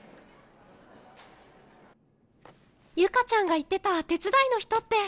ユカちゃんが言ってた手伝いの人って。